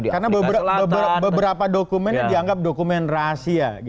karena beberapa dokumennya dianggap dokumen rahasia